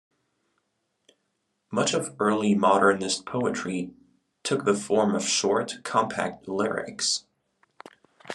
Much of early modernist poetry took the form of short, compact lyrics.